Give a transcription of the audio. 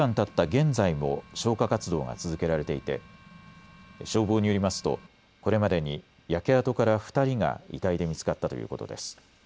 現在も消火活動が続けられていて消防によりますとこれまでに焼け跡から２人が遺体で見つかったということです。